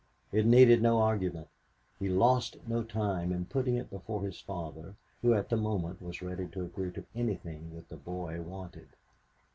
It needed no argument. He lost no time in putting it before his father, who at the moment was ready to agree to anything that the boy wanted.